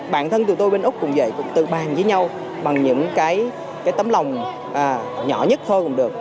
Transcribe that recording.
bản thân tụi tôi bên úc cũng vậy tự bàn với nhau bằng những cái tấm lòng nhỏ nhất thôi cũng được